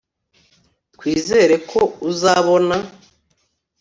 twizere ko uzabona